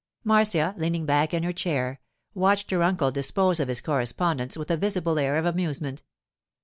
Marcia, leaning back in her chair, watched her uncle dispose of his correspondence with a visible air of amusement.